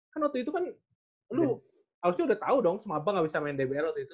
kan waktu itu kan lu harusnya udah tau dong semaba gak bisa main dbl waktu itu